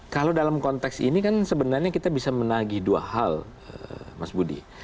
kalau dalam konteks ini kan sebenarnya kita bisa menagi dua hal mas budi